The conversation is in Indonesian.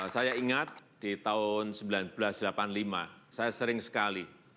saya ingat di tahun seribu sembilan ratus delapan puluh lima saya sering sekali